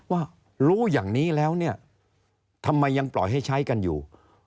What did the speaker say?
ว่ารู้อย่างนี้แล้วเนี่ยทำไมยังปล่อยให้ใช้กันอยู่